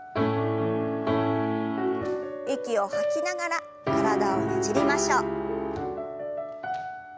息を吐きながら体をねじりましょう。